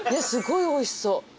すごいおいしそう。